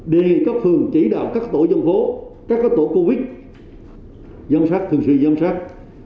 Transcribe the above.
đề nghị các phường chỉ đạo các tổ dân phố các tổ covid dân sát thường sự dân sát